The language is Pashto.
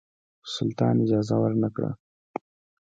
سلطان اجازه ورنه کړه.